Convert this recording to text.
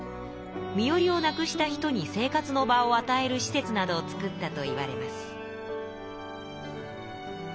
身寄りを無くした人に生活の場をあたえる施設などを作ったといわれます。